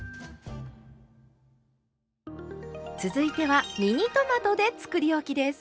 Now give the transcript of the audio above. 続いてはミニトマトでつくりおきです。